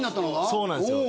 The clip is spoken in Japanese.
そうなんですよ